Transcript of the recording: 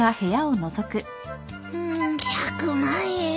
１００万円。